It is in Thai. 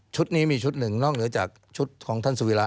นี้มีชุดหนึ่งนอกเหนือจากชุดของท่านสุวิระ